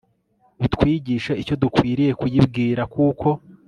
utwigishe icyo dukwiriye kuyibwira kuko